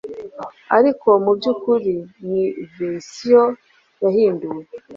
ariko mubyukuri ni verisiyo yahinduwe